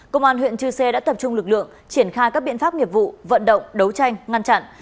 công an huyện chư sê đã tập trung lực lượng triển khai các biện pháp nghiệp vụ vận động đấu tranh ngăn chặn